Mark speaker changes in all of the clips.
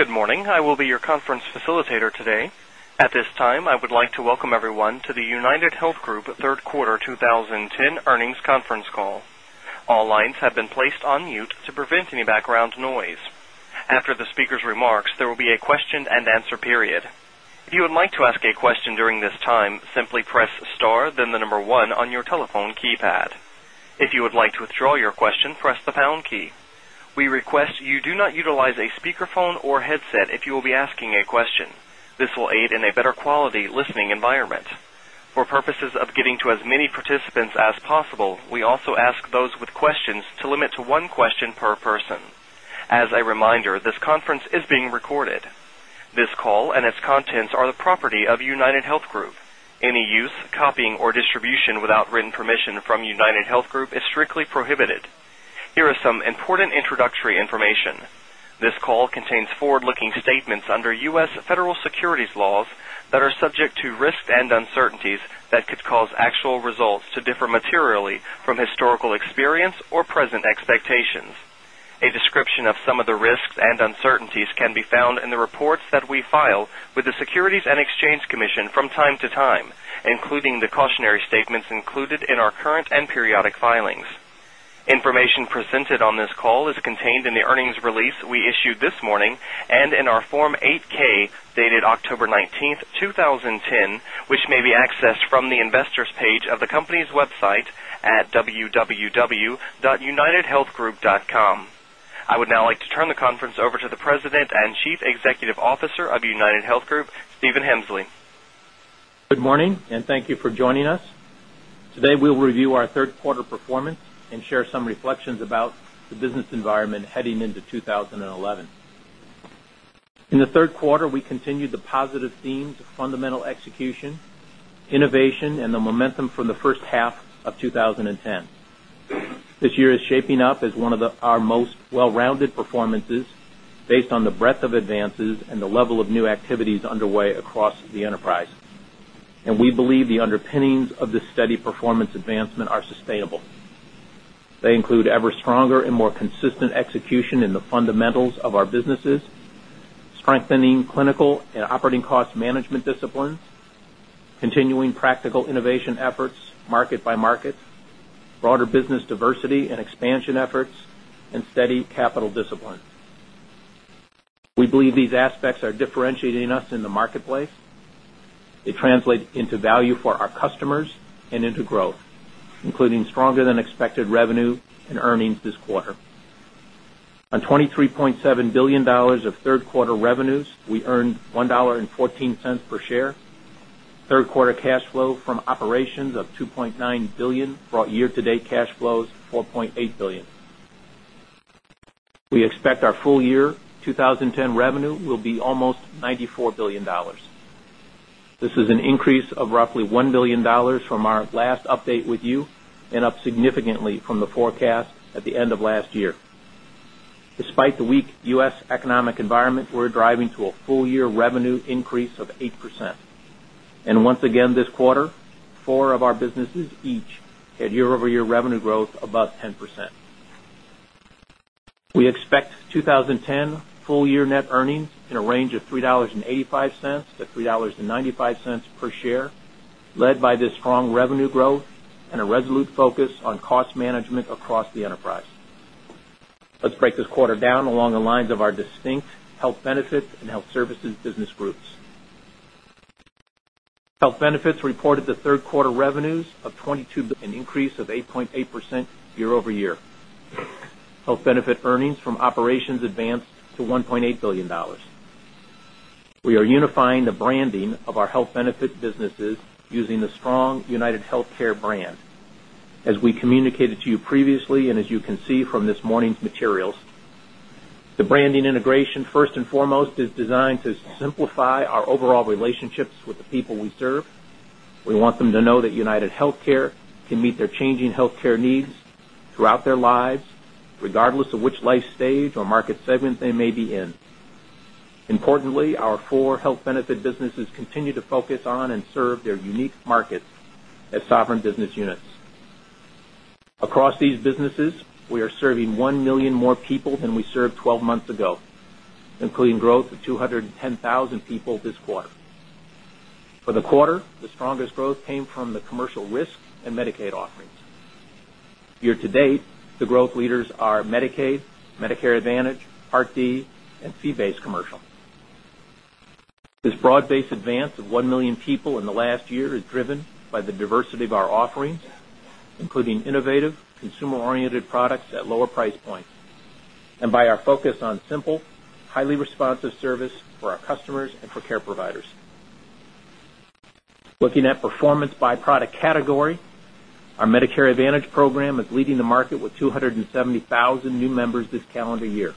Speaker 1: Good morning. I will be your conference facilitator today. At this time, I would like to welcome everyone to the UnitedHealth Group Third Quarter 2010 Earnings Conference Call. All lines have been placed on mute to prevent any background noise. After the speakers' remarks, there will be a question and answer period. As a reminder, this conference is being recorded. This call and its contents are the property of UnitedHealth Group. Any use, copying or distribution without written permission from UnitedHealth Group is strictly prohibited. Here are some important introductory information. This call contains forward looking statements under U. S. Federal securities laws that are subject to risks and uncertainties that could cause actual results to differ materially from historical experience or present expectations. A description of some of the risks and uncertainties can be found in the reports that we file with the Securities and Exchange Commission from time to time, including the cautionary statements included in our current and periodic filings. Information presented on this call is contained in the earnings release we issued this morning and in our Form 8 ks dated October 19, 2010, which may be accessed from the Investors page of the company's website at www.unitedhealthgroup.com. I would now like to turn the conference over to the President and Chief Executive Officer of UnitedHealth Group, Stephen Hemsley.
Speaker 2: Good morning and thank you for joining us. Today, we will review our Q3 performance and share some reflections about the business environment heading into 20 11. In the 3rd quarter, we continued the positive themes performances based on the breadth of advances and the level of new activities underway across the enterprise. And we believe the underpinnings of this steady performance advancement are sustainable. They include ever stronger and more consistent execution in the fundamentals of our businesses, strengthening clinical and operating cost management disciplines, continuing practical innovation efforts market by market, broader business diversity and expansion efforts, and steady capital discipline. We believe these aspects are differentiating us in the marketplace. It translates into value for our customers and into growth including stronger than expected revenue and earnings this quarter. On $23,700,000,000 of 3rd quarter revenues, we earned 1.14 $4 per share. 3rd quarter cash flow from operations of $2,900,000,000 brought year to date cash flows 4,800,000,000 dollars We expect our full year 2010 revenue will be almost $94,000,000,000 This is an increase of roughly $1,000,000,000 from our last update with you and up significantly from the forecast at the end of last year. Despite the weak U. S. Economic environment, we're driving to a full year revenue increase of 8%. And once again this quarter, 4 of our businesses each had year over year revenue growth above 10%. We expect 20 10 full year net earnings in a range of $3.85 to $3.95 per share led by this strong revenue growth and a resolute focus on cost management across the enterprise. Let's break this quarter down along the lines of our distinct Health Benefits and Health Services business groups. Health Benefits reported the 3rd quarter revenues of 22,000,000,000 an increase of 8.8% year over year. Health Benefit earnings from operations advanced to $1,800,000,000 We are unifying the branding of our health benefit businesses using the strong UnitedHealthcare brand. As we communicated to you previously and as you can see from this morning's materials, the branding integration first and foremost is designed to simplify our overall relationships with the people we serve. We want them to know that UnitedHealthcare can meet their changing healthcare needs throughout their lives regardless of which life stage or market segment they may be in. Importantly, our 4 health benefit businesses continue to serving 1,000,000 more people than we served 12 months ago, including growth of 210,000 people this quarter. For the quarter, the strongest growth came from the commercial risk and Medicaid offerings. Year to date, the growth leaders are Medicaid, Medicare Advantage, Part D and Fee Based Commercial. This broad based advance of 1,000,000 people the last year is driven by the diversity of our offerings, including innovative consumer oriented products at lower price points and by our focus on simple, highly responsive service for our customers and for care providers. Looking at performance by product category, our Medicare Advantage program is leading the market with 270,000 new members this calendar year.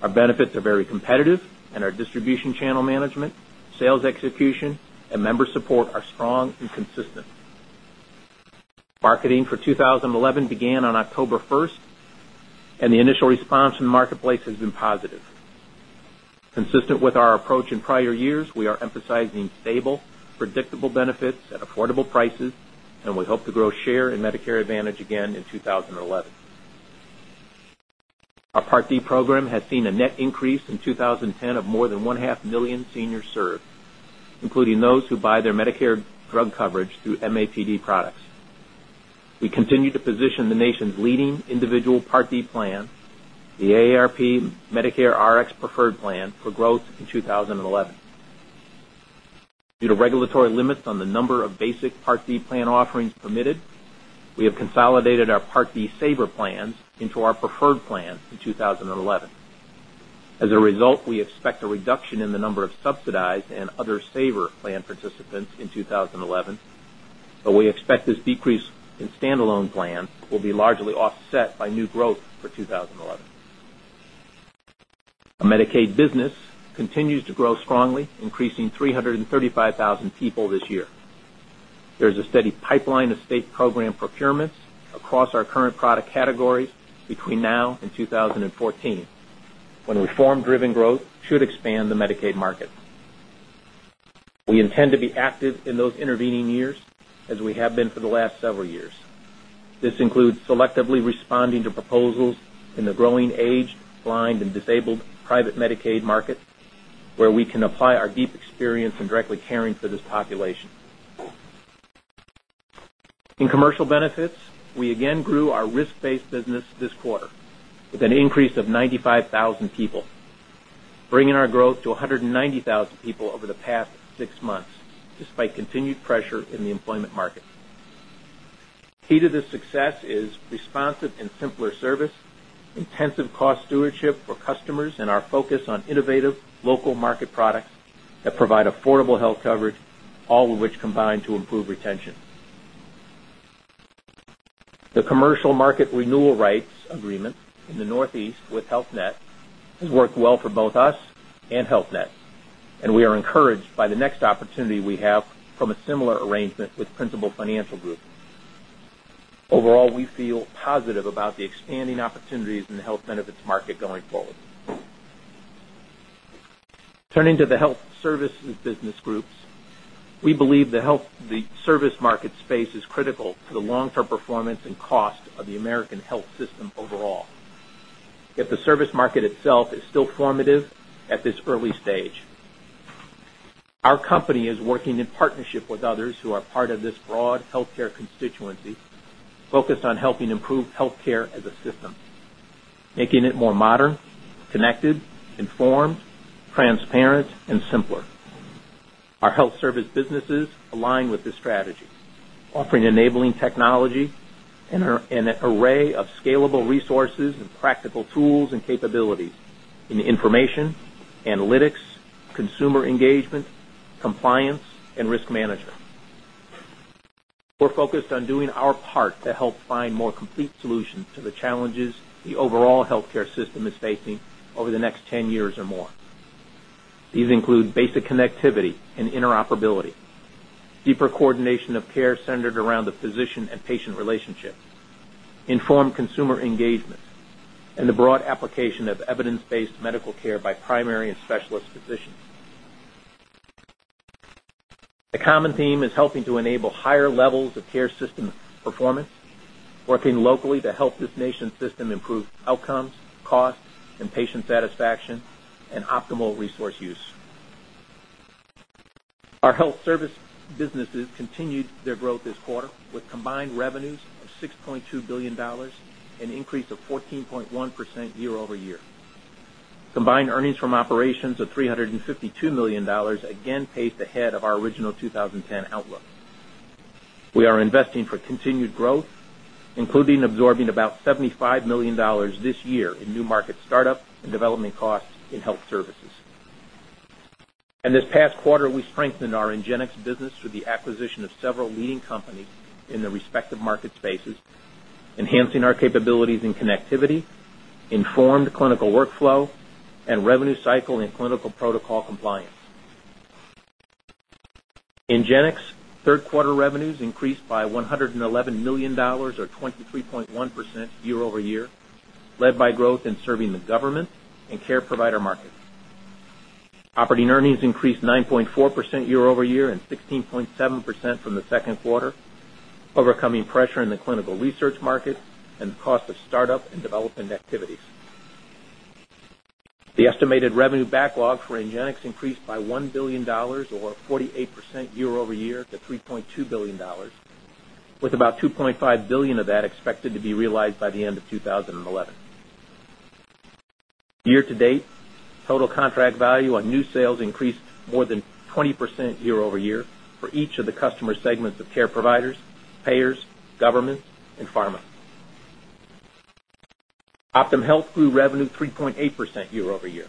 Speaker 2: Our benefits are very competitive and our distribution channel management, sales execution and member support are strong and consistent. Marketing for 2011 began on October 1 and the initial response in the marketplace has been positive. Consistent with our approach in prior years, we are emphasizing stable, predictable benefits at affordable prices and we hope to grow share in Medicare Advantage again in 2011. Our Part D program has seen a net increase in 2010 of more than 1,500,000 seniors served including those who buy their Medicare drug coverage through MAPD products. We continue to position the nation's leading individual Part D plan, the AARP Medicare Rx Preferred Plan for growth in 2011. Due to regulatory limits on the number of basic Part D plan offerings permitted, we have consolidated our Part D Saver plans into our preferred plans in 2011. As a result, we expect a reduction in the number of subsidized and other Saver plan participants in 2011, but we expect this decrease in standalone plan will be largely offset by new growth for 2011. Our Medicaid business continues to grow strongly increasing 335,000 people this year. There's a steady pipeline of state program procurements across our current product categories between now and 2014 when reform driven growth should expand the Medicaid market. We intend to be active in those intervening years as we have been for the last several years. This includes selectively responding to proposals in the growing aged, blind and disabled private Medicaid market where we can apply our deep experience in directly caring for this population. In commercial benefits, we again grew our risk based business this quarter with an increase of 95,000 people, bringing our growth to 190,000 people over the past 6 months despite continued pressure in the employment market. Key to this success is responsive and simpler service, intensive cost stewardship for customers and our focus on innovative local market products that provide affordable health coverage all of which combine to improve retention. The commercial market renewal rights agreement in the Northeast with Health Net has worked well for both us and Health Net and we are encouraged by the next opportunity we have from a similar arrangement with Principal Financial Group. Overall, we feel positive about the expanding opportunities in the health benefits market going forward. Turning to the Health Services Business Groups. We believe the health the service market space is critical to the long term performance and cost of the American health system overall, yet the service market itself is still formative at this early stage. Our company is working in partnership with others who are part of this broad healthcare constituency focused on helping improve healthcare as a system, making it more modern, connected, informed, transparent and simpler. Our Health Service businesses align with this capabilities in information, analytics, consumer engagement, compliance and risk management. We're focused on doing our part to help find more complete solutions to the challenges the overall healthcare system is facing over the next 10 years or more. These include basic connectivity and interoperability, deeper coordination of care centered around informed consumer engagement and the broad application of evidence based medical care by primary and specialist physicians. The common theme is helping to enable higher levels of care system performance, working locally to help this nation's system improve outcomes, cost and patient satisfaction and optimal resource use. Our health service businesses continued their growth this quarter with combined revenues of $6,200,000,000 an increase of 14.1% year over year. Combined earnings from operations of $352,000,000 again paced ahead of our original 20 10 outlook. We are investing for continued growth including absorbing about $75,000,000 this year in new market start up and development costs in Health Services. In this past quarter, we strengthened our NGENX business through the acquisition of several leading companies in the respective market spaces, enhancing our capabilities in connectivity, informed clinical workflow and revenue cycle in clinical protocol compliance. Ingenx, 3rd quarter revenues increased by $111,000,000 or 23.1 percent year over year led by growth in serving the government and care provider markets. Operating earnings increased 9.4 percent year over year and 16.7 percent from the 2nd quarter overcoming pressure in the clinical research market and the cost of start up and development activities. The estimated revenue backlog for Ingenix increased by $1,000,000,000 or 48 percent year over year to $3,200,000,000 with about $2,500,000,000 of that expected to be realized by the end of 2011. Year to date, total contract value on new sales increased more than 20% year over year for each of the customer segments of care providers, payers, government and pharma. OptumHealth grew revenue 3.8% year over year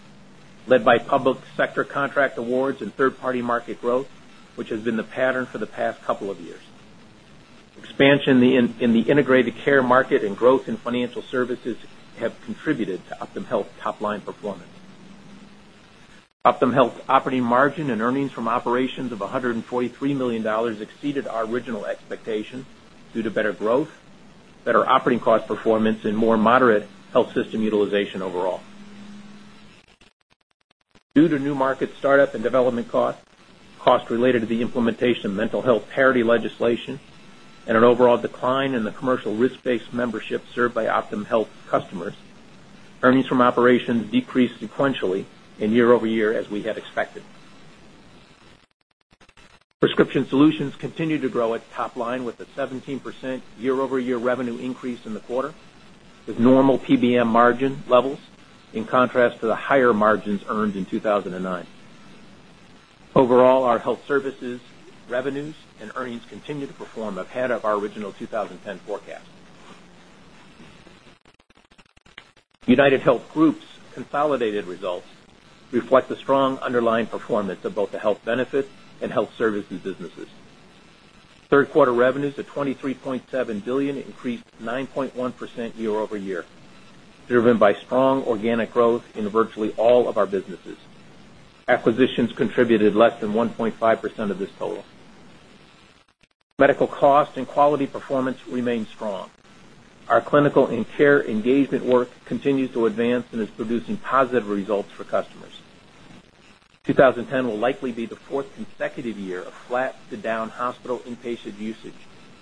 Speaker 2: led by public sector contract awards and third party market growth, which has been the pattern for the past couple of years. Expansion in the integrated care market and growth in financial services have contributed to OptumHealth top line performance. OptumHealth's operating margin and earnings from operations of 140 $3,000,000 exceeded our original expectations due to better growth, better operating cost performance and more moderate health system utilization overall. Due to new market start up and development costs, costs related to the implementation of mental health parity legislation and an overall decline in the commercial risk based membership served by OptumHealth customers, earnings from operations decreased sequentially and year over year as we had expected. Prescription solutions continued to grow at top line with a 17% year over year revenue increase in the quarter with normal PBM margin levels in contrast to the higher margins earned in 2009. Overall, our Health Services revenues and earnings continue to perform ahead of our original 2010 forecast. UnitedHealth Group's consolidated results reflect the strong underlying performance of both the Health Benefits and Health Services businesses. 3rd quarter revenues of $23,700,000,000 increased 9.1% year over year, driven by strong organic growth in virtually all of our businesses. Acquisitions contributed less than 1.5% of this total. Medical cost and quality performance remained strong. Our clinical and care engagement work continues to advance and is producing positive results for customers. 2010 will likely be the 4th consecutive year of flat to down hospital inpatient usage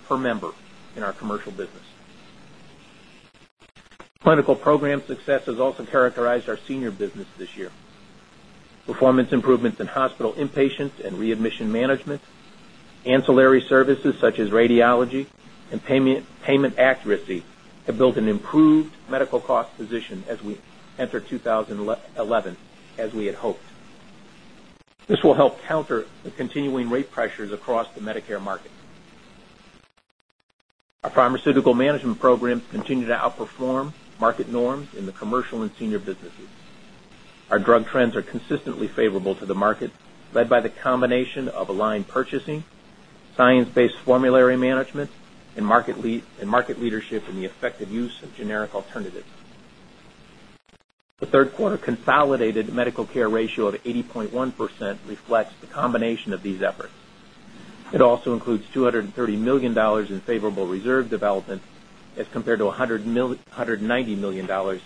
Speaker 2: per member in our commercial business. Clinical program success has also characterized our senior business this year. Performance improvements in hospital inpatient and readmission management, ancillary services such as radiology and payment accuracy have built an improved medical cost position as we enter 20 11 as we had hoped. This will help counter the continuing rate pressures across the Medicare market. Our pharmaceutical management programs continue to outperform market norms in the commercial and senior businesses. Our drug trends are consistently favorable to the market led by the combination of aligned purchasing, science based formulary management and market leadership in the effective use of generic alternatives. The 3rd quarter consolidated medical care ratio of 80.1% reflects the combination of these efforts. It also includes $230,000,000 in favorable reserve development as compared to 100 $1,000,000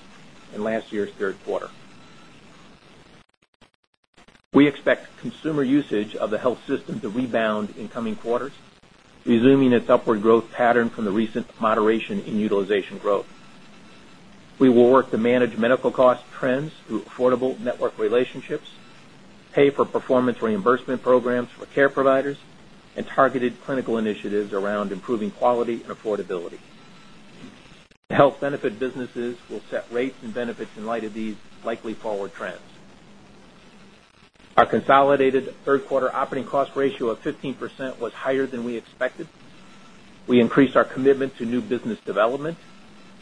Speaker 2: in last year's Q3. We expect consumer usage of the health system to rebound in coming quarters, resuming its upward growth pattern from the recent moderation in utilization growth. We will work to manage medical cost trends through affordable network relationships, pay for performance reimbursement programs for care providers and targeted clinical initiatives around improving quality and affordability. Health benefit businesses will set rates and benefits in light of these likely forward trends. Our consolidated 3rd quarter operating cost ratio of 15% was higher than we expected. We increased our commitment to new business development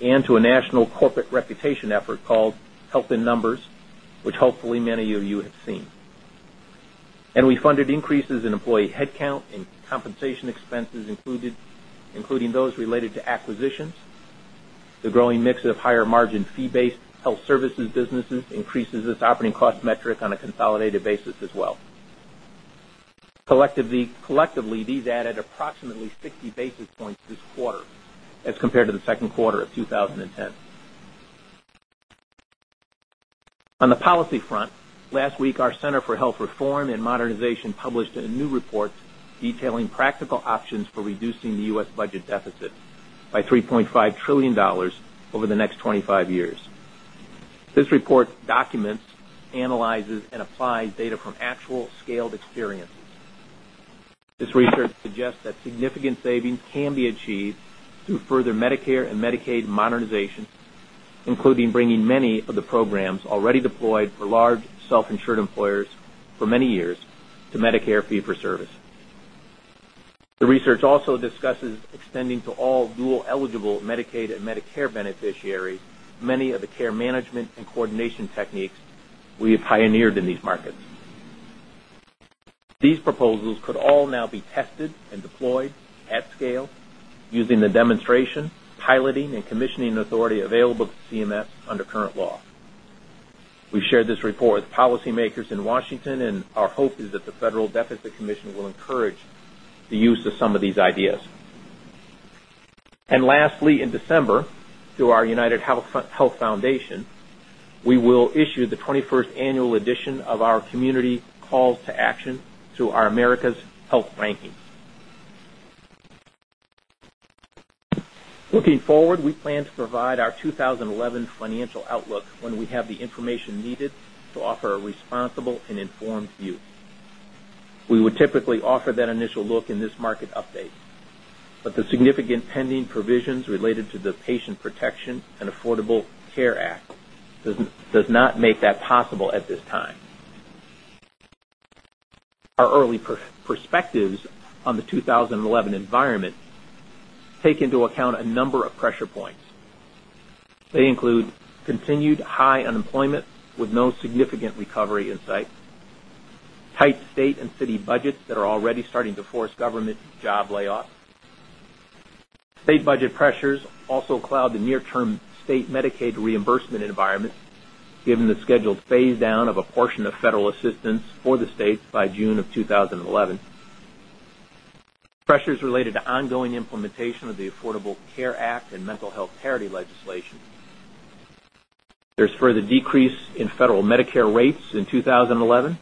Speaker 2: and to a national corporate reputation effort called Help in Numbers, which hopefully many of you have And we funded increases in employee headcount and compensation expenses included including those related to acquisitions, The growing mix of higher margin fee based health services businesses increases its operating cost metric on a consolidated basis as well. Collectively, these added approximately 60 basis points this quarter as compared to the Q2 of 2010. On the policy front, last week our Center For Health Reform and Modernization published a new report detailing practical options for reducing deficit by $3,500,000,000,000 over the next 25 years. This report documents, analyzes and applies data from actual scaled experiences. This research suggests that significant savings can be achieved through further Medicare and Medicaid modernization including bringing many of the programs already deployed for large self insured employers for many years to Medicare fee for service. The research also discusses extending to all dual eligible Medicaid and Medicare beneficiaries many of the care management and coordination techniques we have pioneered in these markets. These proposals could all now be tested and deployed at scale using the demonstration, piloting and commissioning authority available to CMS under current law. We've shared this report with policymakers in Washington and our hope is that the Federal Deficit Commission will encourage the use of some of these ideas. And lastly, in December, through our United Health Foundation, we will issue the 21st annual edition of our community calls to action to our America's Health Rankings. Looking forward, we plan to provide our 20 11 financial outlook when we have the information needed to offer a responsible and informed view. We would typically offer that look in this market update. But the significant pending provisions related to the Patient Protection and Affordable Care Act does not make that possible at this time. Our early perspectives on the 2011 environment take into account a number of pressure points. They include continued high unemployment with no significant recovery in sight, tight state and city budgets that are already starting to force government job layoffs. State budget pressures also cloud the near term state Medicaid reimbursement environment given the scheduled phase down of a portion of federal assistance for the states by June of 2011, pressures related to ongoing implementation of the Affordable Care Act and Mental Health Parity legislation. There's further decrease in federal Medicare rates in 2011.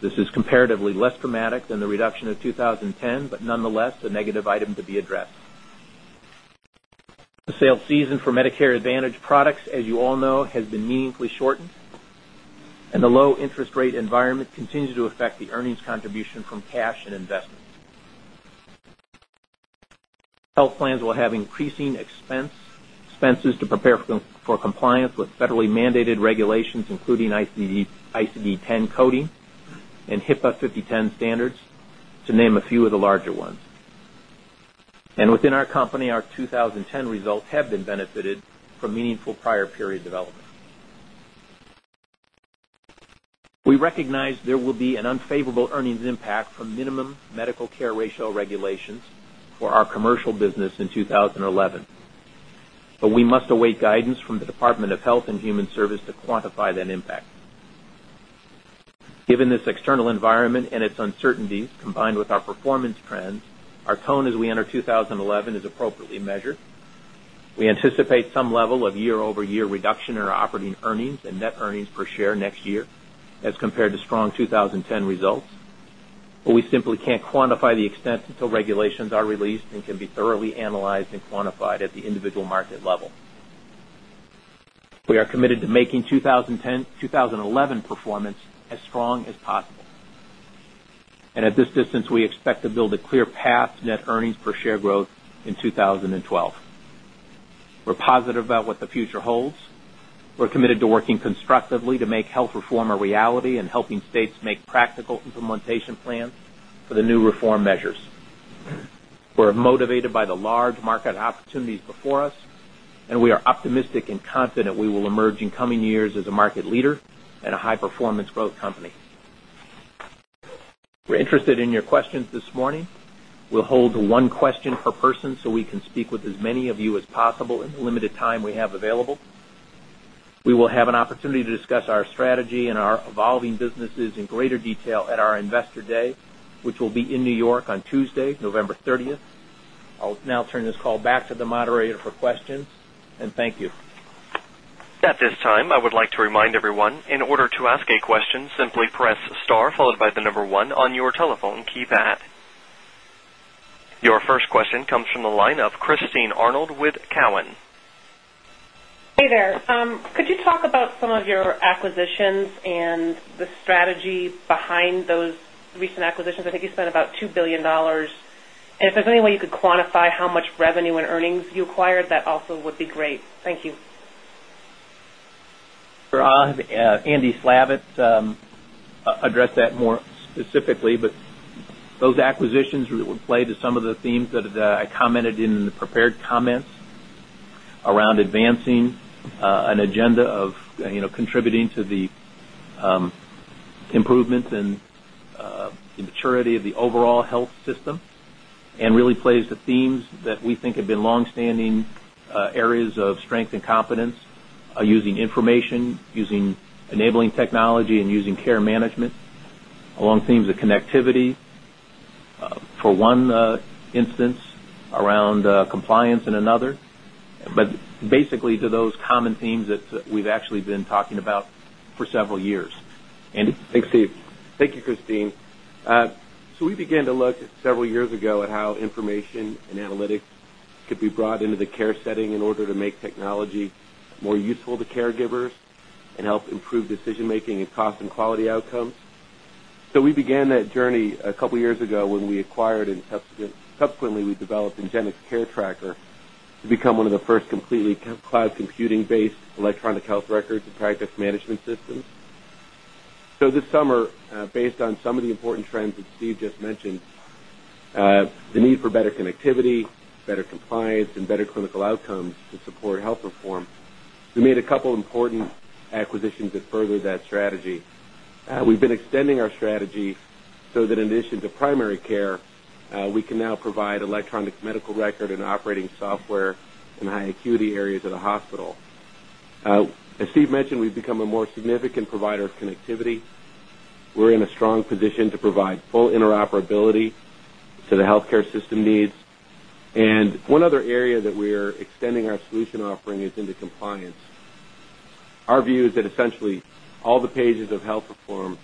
Speaker 2: This is comparatively less dramatic than the reduction of 2010, but nonetheless a negative item to be addressed. The sales season for Medicare Advantage products as you all know has been meaningfully shortened and the low interest rate environment continues to affect the earnings contribution from cash and investments. Health plans will have increasing expenses to prepare for compliance with federally mandated regulations including ICD-ten coding and HIPAA 5,010 standards to name a few of the larger ones. And within our company, our 20 10 results have been benefited from meaningful prior period development. We recognize there will be an unfavorable earnings impact from minimum medical care ratio regulations for our commercial business in 2011. But we must await guidance from the Department of Health and Human Service to quantify that impact. Given this external environment and its uncertainties combined with our performance trends, our tone as we enter 2011 appropriately measured. We anticipate some level of year over year reduction in our operating earnings and net earnings per share next year as compared to strong 2010 results, but we simply can't quantify the extent until regulations are released and can be thoroughly analyzed and quantified at the individual market level. We are committed to making 20 102011 performance as strong as possible. And at this distance, we expect to build a clear path to net earnings per share growth in 2012. We're positive about what the future holds. We're committed to working constructively to make health reform a reality and helping states make practical implementation plans for the new reform measures. We're motivated by the large market opportunities before us and we are optimistic and confident we will emerge in coming years as a market leader and a high performance growth company. We're interested in your questions this morning. We'll hold one question per person so we can speak with as many you as possible in the limited time we have available. We will have an opportunity to discuss our strategy and our evolving businesses in greater detail at our Investor Day, which will be in New York on Tuesday, November 30. I'll now turn this call back to the moderator for questions and thank you. Your
Speaker 1: first question comes from the line of Christine Arnold with Cowen.
Speaker 3: Hey there. Could you talk about some of your acquisitions and the strategy behind those recent acquisitions? I think you spent about $2,000,000,000 And if there's any way you could quantify how much revenue and earnings you acquired that also would be great? Thank you.
Speaker 2: Sure. I'll have Andy Slavitz addressed that more specifically, but those acquisitions really would play to some of the themes that I commented in the prepared comments around advancing an agenda of contributing to the improvements and the maturity of the overall health system and really plays the themes that we think have been long standing areas of strength and competence using information, using enabling technology and using care management, along themes of connectivity. For one instance around compliance in another, but basically to those common themes that we've actually been talking about for several years. Andy? Thanks Steve. Thank you, Christine.
Speaker 4: So we began to look several years ago at how information and analytics could be brought into the care setting in order to make technology more useful to caregivers and help improve decision making and cost and quality outcomes. So we began that journey a couple of years ago when we acquired and subsequently we developed Ingenix Care Tracker to become one of the first completely cloud computing based electronic health records and practice management systems. So this summer based on some of the important trends that Steve just mentioned, important acquisitions that further that strategy. We've been extending our strategy so that in addition to primary care, we can now provide electronic medical record and operating software in high acuity areas of the hospital. As Steve mentioned, we've become a more significant provider of connectivity. We're in a strong position to provide full interoperability to the healthcare system needs. And one other area that we are extending our solution offering is into compliance. Our view is that essentially all the pages of health reform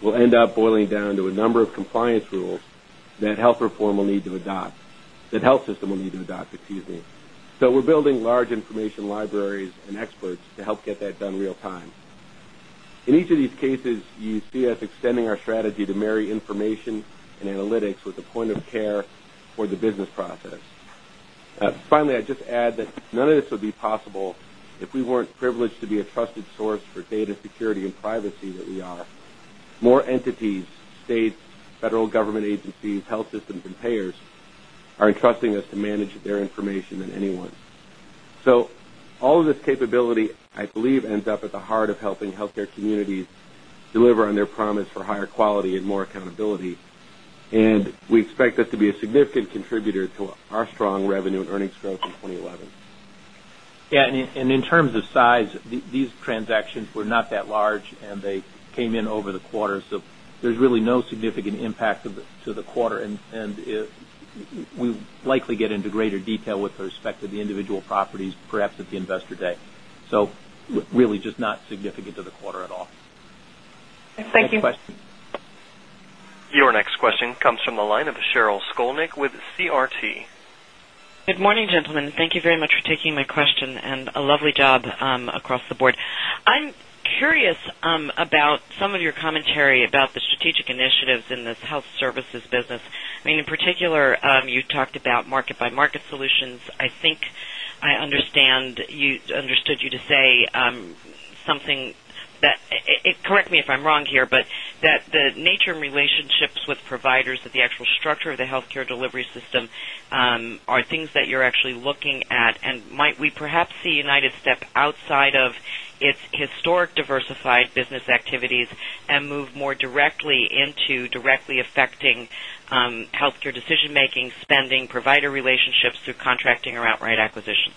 Speaker 4: will end up boiling down to a number of compliance rules that health reform will need to adopt that health system will need to adopt, excuse me. So, we're building large information libraries and experts to help get that done real time. In each of these cases, you see us extending our strategy to marry information and analytics with a point of care for the business process. Finally, I'd just add that none of this would be possible if we weren't privileged to be a trusted source for data security and privacy that we are. More entities, states, federal government agencies, health systems and payers are entrusting us to manage their information than anyone. So all of this capability, I believe, ends up at the heart of helping health care communities deliver on their promise for higher quality and more accountability. And we expect this to be a significant contributor to our strong revenue and earnings growth in 2011.
Speaker 2: Yes. And in terms of size, these transactions were not that large and they came in over the quarter. So there's really no significant impact to the quarter. And we likely get into greater detail with respect to the individual properties perhaps at the Investor Day. So really just not significant to the quarter at all.
Speaker 5: Thank you.
Speaker 1: Your next question comes from the line of Sheryl Skolnick with CRT.
Speaker 6: Good morning, gentlemen. Thank you very much for taking my question and a lovely job across the board. I'm curious about some of your commentary about the strategic initiatives in this Health Services business. I mean, in particular, you talked about market by market solutions. I think I understand you understood you to say
Speaker 7: something that
Speaker 6: correct me if I'm wrong here, but that the nature and relationships with providers of the actual structure of the healthcare delivery system are things that you're actually looking at? And might we perhaps see United step outside of its historic diversified business activities and move more directly into directly affecting healthcare decision making, spending, provider relationships through contracting or outright acquisitions?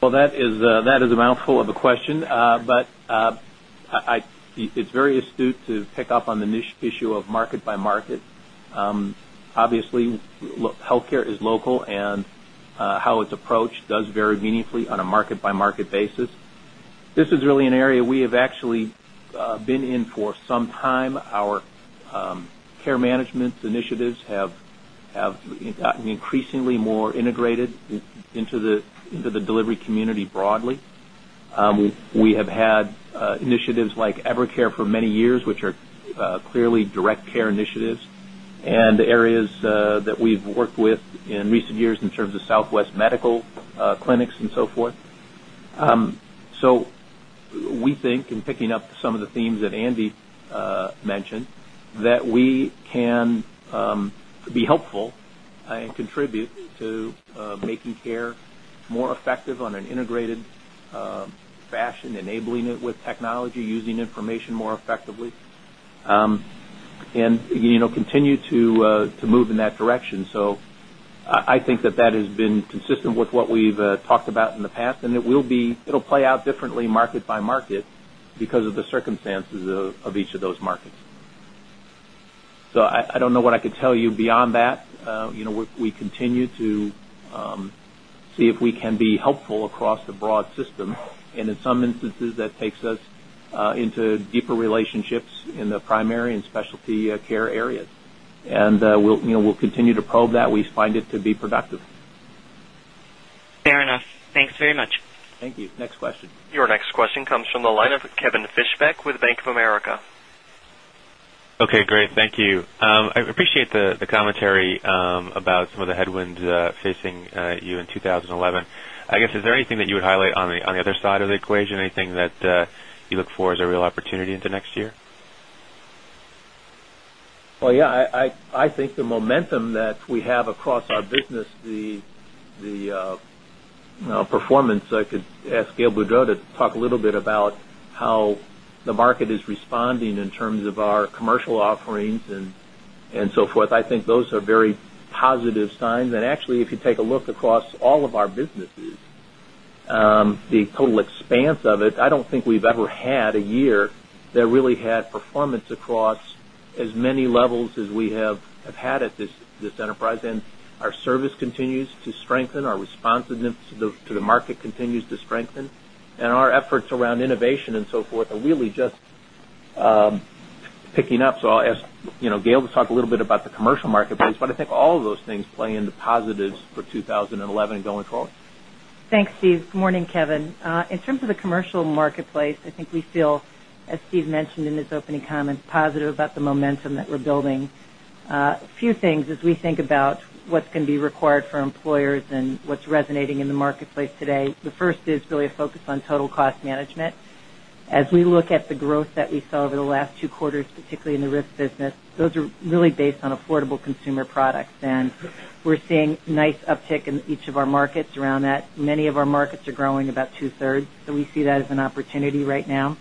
Speaker 2: Well, that is a mouthful of a question. But it's very astute to pick up on the niche issue of market by market. Obviously, healthcare is local and how its approach does vary meaningfully on a market by market basis. This is really an area we have actually been in for some time. Our care management initiatives have gotten increasingly more integrated into the delivery community broadly. We have had initiatives like EverCare for many years which are clearly direct care initiatives and areas that we've worked with in recent years in terms of Southwest Medical Clinics and so forth. So we think making care more effective on an integrated fashion, enabling it with technology, using information more effectively, continue to move in that direction. So I think that that has been consistent with what we've talked about in the past and it will be it'll play out differently market by market because of the circumstances of each of those markets. So I don't know what I could tell you beyond that. We continue to see if we can be helpful across the broad system. And in some instances that takes us into deeper relationships in the primary and specialty care areas. And we'll continue to probe that. We find it to be productive.
Speaker 6: Fair enough. Thanks very much.
Speaker 2: Thank you. Next question.
Speaker 1: Your next question comes from the line of Kevin Fischbeck with Bank of America.
Speaker 8: Okay, great. Thank you. I appreciate the commentary about some of the headwinds facing you in 2011. I guess, is there anything that you would highlight on the other side of the equation, anything that you look for as a real opportunity into next year?
Speaker 2: Well, yes, I think the momentum that we have across our business, the performance, I could ask Gail Boudreaux to talk a little bit about how the market is responding in terms of our commercial offerings and so forth. I think those are very positive signs. And actually if you take a look across all of our businesses, the total expanse of it, I don't think we've ever had a year that really had performance across as many levels as we have had at this enterprise. And our service continues to strengthen, our responsiveness to the market continues to strengthen and our efforts around innovation and so forth are really just picking up. So I'll ask Gail to talk a little bit about the commercial marketplace. But I think all of those things play into positives for 11 going forward.
Speaker 7: Thanks, Steve. Good morning, Kevin. In terms of the commercial marketplace, I think we feel as Steve mentioned in his opening comments positive about the momentum that we're building. A few things as we think about what's going to be required for employers and what's resonating in the marketplace today. The first is really a focus on total cost management. As we look at the growth that we saw over the last two quarters particularly in the risk business, those are really based on affordable consumer products. And we're seeing nice uptick in each of our markets around that. Many of our markets are growing about 2 thirds. So we see that as an opportunity now.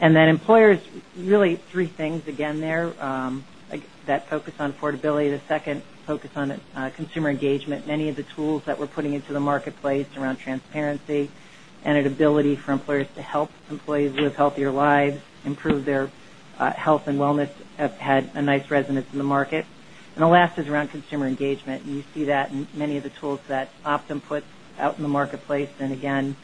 Speaker 7: And then employers really three things again there that focus on affordability. The second focus on consumer engagement. Many of the tools that we're putting into the marketplace around transparency and an ability for employers to help employees live healthier lives, improve their health and wellness have had a nice resonance in the market. And the last is around consumer engagement. And you see that in many of tools that Optum puts out in the marketplace. And again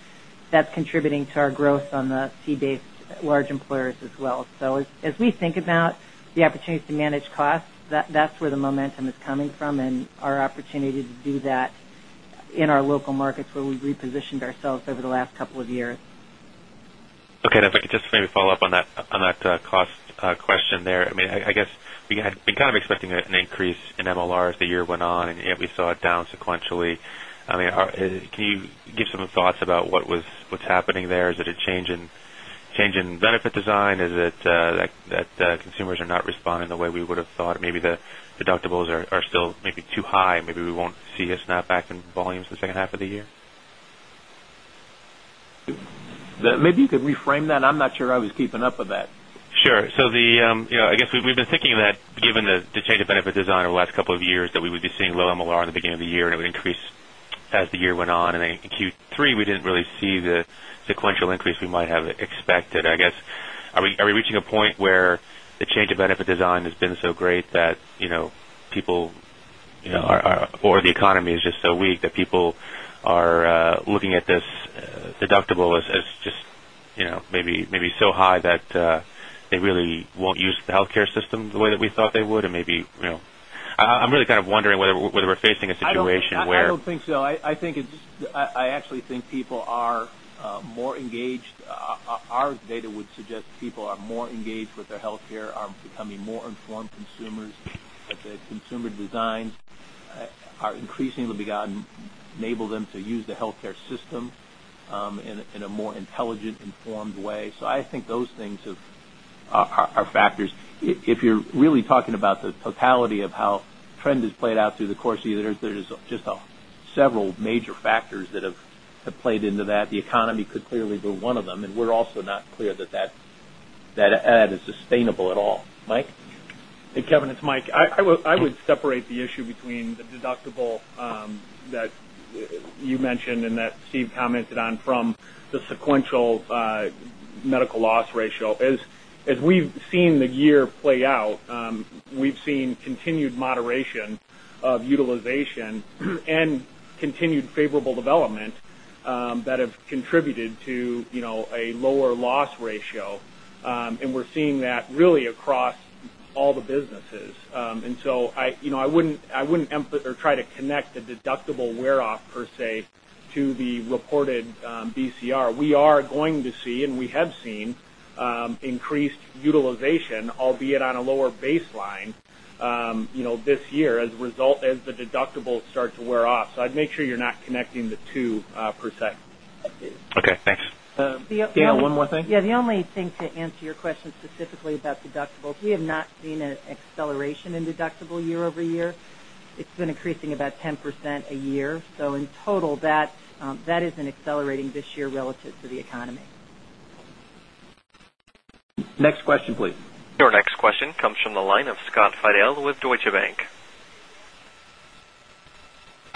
Speaker 7: that's contributing to our growth on the fee based large employers as well. So as we think about the opportunity to manage costs that's where the momentum is coming from and our opportunity to do that in our local markets where we've repositioned ourselves over the last couple of years.
Speaker 8: Okay. And if I could just maybe follow-up on that cost question there. I mean, I guess, we had kind of expecting an increase in MLR as the year went on and yet we saw it down sequentially. I mean, can you give some thoughts about what's happening there? Is it a change in benefit design? Is it that consumers are not responding the way we would have thought? Maybe the deductibles are still maybe too high. Maybe we won't see a snap back in volumes in the second half of the year?
Speaker 2: Maybe you could reframe that. I'm not sure I was keeping up with that.
Speaker 8: Sure. So the I guess we've been thinking that given the change benefit design over the last couple of years that we would be seeing low MLR in the beginning of the year and it would increase as the year went on. And then in Q3, we didn't really see the sequential increase we might have expected. I guess, are we reaching a point where the change of benefit design has been so great that people or the economy is just so weak that people are looking at this deductible as just maybe so high that they really won't use the healthcare system the way that we thought they would and maybe I'm really kind of wondering whether we're facing a situation where
Speaker 2: I don't think so. I think it's I actually think people are more engaged. Our data would suggest people are more engaged with their health care, are becoming more informed consumers. The consumer designs are increasingly begun enable them to use the health care system in a more intelligent informed way. So I think those things are factors. If you're really talking about the totality of how trend has played out through the course of the year, there's just several major factors that have played into that. The economy could clearly be one of them and we're also not clear that that is sustainable at all. Mike?
Speaker 9: Kevin, it's Mike. I would separate the issue between the deductible that you mentioned and that Steve commented on from the sequential medical loss ratio. As we've seen the year play out, we've seen continued moderation of utilization and continued favorable development that have contributed to a lower loss ratio. And we're seeing that really across all the businesses. And so I wouldn't try to connect the deductible wear off per se to the reported BCR. We are going to see and we have seen increased utilization albeit on a lower baseline this year as a result as the deductibles start to wear off. So I'd make sure you're not connecting the 2 per se.
Speaker 1: Okay. Thanks.
Speaker 2: Daniel, one more thing?
Speaker 7: Yes. The only thing to answer your question specifically about deductibles, we have not seen an acceleration in deductible year over year. It's been increasing about 10% a year. So in total that isn't accelerating this year relative to the economy.
Speaker 2: Next question please.
Speaker 1: Your next question comes from the line of Scott Fidel with Deutsche Bank.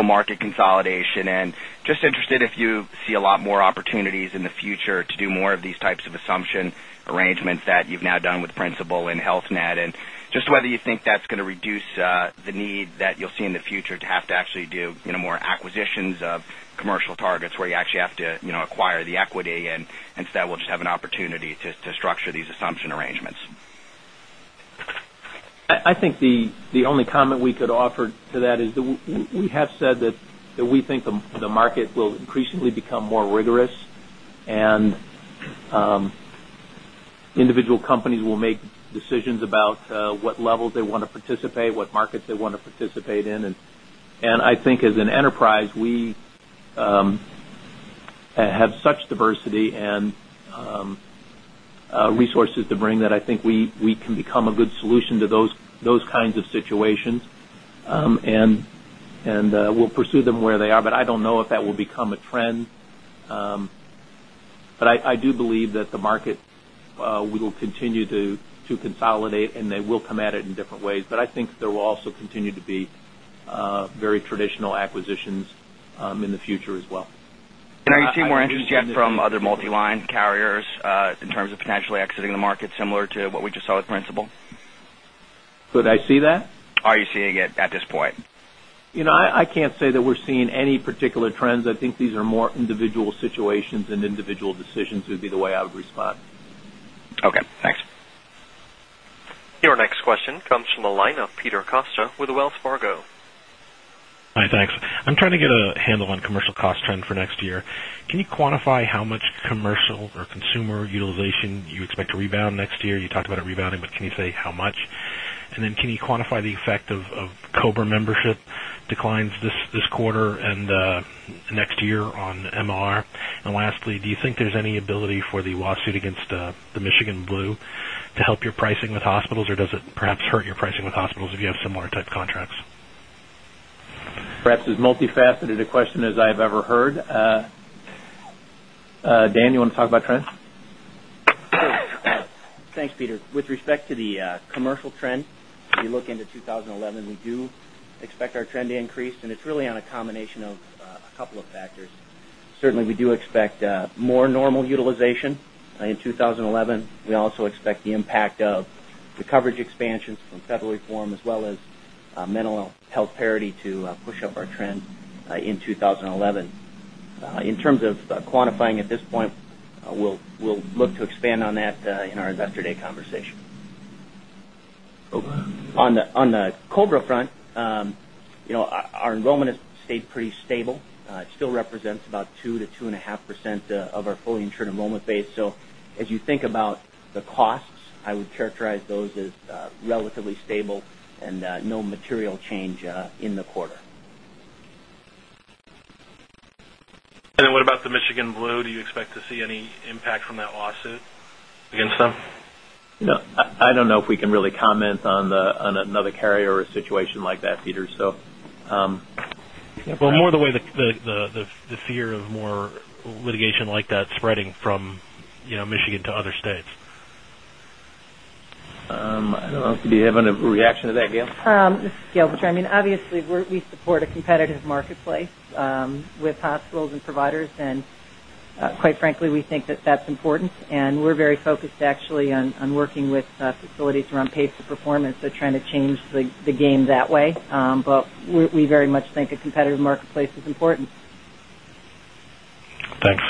Speaker 10: Market consolidation and just interested if you see a lot more opportunities in the future to do more of these types of assumption arrangements that you've now done with Principal and Health Net and just whether you think that's going to reduce the need that you'll see in the future to have to actually do more acquisitions of commercial targets where you actually have to acquire the equity and instead we'll just have an opportunity to structure these assumption arrangements?
Speaker 2: I think the only comment we could offer to that is that we have said that we think the market will increasingly become more rigorous and individual companies will make decisions about what levels they want to participate, what markets they want to participate in. And I think as an enterprise, we have such diversity and resources to bring that I think we can become a good solution to those kinds of situations. And we'll pursue them where they are. But I don't know if that will become a trend. But I do believe that the market will continue to consolidate and they will come at it in different ways. But I think there will also continue to be very traditional acquisitions in the future as well.
Speaker 1: And are you
Speaker 10: seeing more interest yet from other multi line carriers in terms of potentially exiting the market similar to what we just saw with Principal?
Speaker 2: Could I see that?
Speaker 10: Are you seeing it at this point?
Speaker 2: I can't say that we're seeing any particular trends. I think these are more individual situations and individual decisions would be the way I would respond.
Speaker 11: Okay. Thanks.
Speaker 1: Your next question comes from the line of Peter Costa with Wells Fargo.
Speaker 12: Hi, thanks. I'm trying to get a handle on commercial cost trend for next year. Can you quantify how much commercial or consumer utilization you expect to rebound next year? You talked about rebounding, but can you say how much? And then can you quantify the effect of COBRA membership declines this quarter and next year on MR? And lastly, do you think there's any ability for the lawsuit against the Michigan Blue to help your pricing with hospitals or does it perhaps hurt your pricing with hospitals if you have similar type contracts?
Speaker 2: Perhaps it's multifaceted a question as I've ever heard. Dan, you want to talk about trends?
Speaker 13: Thanks, Peter. With respect to the commercial trend, if you look into 20 11, we do expect our trend to increase and it's really on a combination of a couple of factors. Certainly, we do expect more normal utilization in 2011. We also expect the impact of the coverage expansions from federal reform as well as mental health parity to push up our trend in 2011. In terms of quantifying at this point, we'll look to expand on that in our Investor Day conversation. On the COBRA front, our enrollment has stayed pretty stable. It still represents about 2% to 2.5% of our fully insured enrollment base. So as you think about the costs, I would characterize those as relatively stable and no material change in the quarter.
Speaker 12: And then what about the Michigan Blue? Do you expect to see any impact from that lawsuit
Speaker 1: against them?
Speaker 2: I don't know if we can really comment on another carrier or a situation like that Peter. So Well,
Speaker 12: more the way the fear of more litigation like that spreading from Michigan to other states?
Speaker 8: I don't know if you
Speaker 2: have any reaction to that Gail.
Speaker 7: This is Gail. I mean, obviously, we support a competitive marketplace with hospitals and providers. And quite frankly, we think that that's important. And we're very focused actually on working with facilities around pace of performance. They're trying to change the game that way. But we very much think a competitive marketplace is important.
Speaker 12: Thanks.